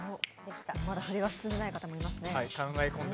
まだ筆が進んでいない方もいますね。